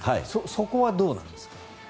そこはどうなんですか？